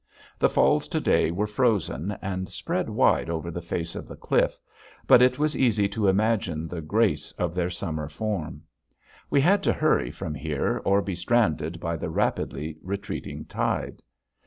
The falls to day were frozen and spread wide over the face of the cliff; but it was easy to imagine the grace of their summer form. We had to hurry from here or be stranded by the rapidly retreating tide.